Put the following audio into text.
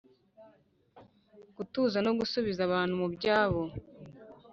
gutuza no gusubiza abantu mu byabo: